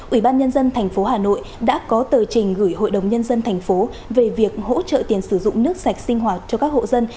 ủy ban nhân dân tp hà nội đã có tờ trình gửi hội đồng nhân dân tp về việc hỗ trợ tiền sử dụng nước sạch sinh hoạt cho các hộ dân